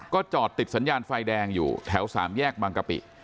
ก็จอดติดสัญญาณไฟแดงอยู่แถว๓แยกบางกะปิ